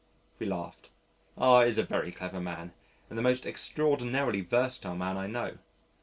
We laughed. R is a very clever man and the most extraordinarily versatile man I know.